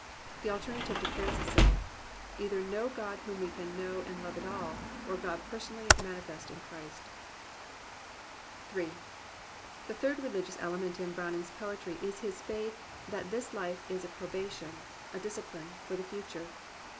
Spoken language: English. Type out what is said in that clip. The alternative declares itself. Either no God whom we can know and love at all, or God personally manifest in Christ ! 3. The third religious element in Browning's poetry is his faith that this life is a probation, a dis cipline for the future.